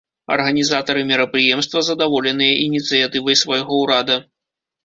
Арганізатары мерапрыемства задаволеныя ініцыятывай свайго ўрада.